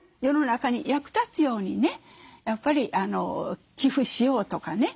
世の中に役立つようにねやっぱり寄付しようとかね。